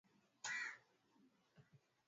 dola hilo Ukristo ulikabiliana na dhuluma kama vile